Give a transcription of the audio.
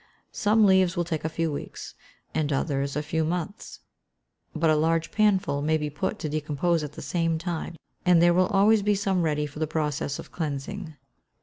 Some leaves will take a few weeks, and others a few months, but a large panful may be put to decompose at the same time, and there will always be some ready for the process of cleansing.